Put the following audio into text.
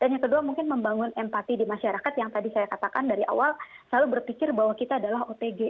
dan yang ketiga mungkin membangun empati di masyarakat yang tadi saya katakan dari awal selalu berpikir bahwa kita adalah otg